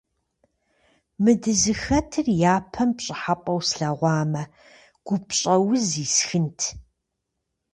Мы дызыхэтыр япэм пщӀыхьэпӀэу слъэгъуамэ, гупщӀэуз исхынт.